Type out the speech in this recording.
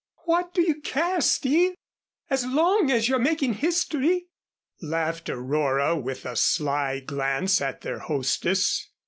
"What do you care, Steve, as long as you're making history?" laughed Aurora, with a sly glance at their hostess.